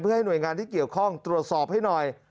ให้หน่วยงานที่เกี่ยวข้องตรวจสอบให้หน่อย